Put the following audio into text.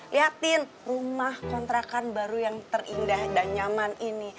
lihatin rumah kontrakan baru yang terindah dan nyaman ini